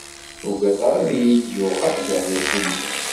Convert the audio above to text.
Uggadeɣ ad iyi-d-yuɣal lehlak-nni.